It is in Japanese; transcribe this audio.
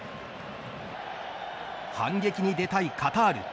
反撃に出たいカタール。